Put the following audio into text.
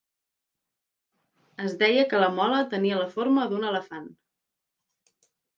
Es deia que la mola tenia la forma d'un elefant.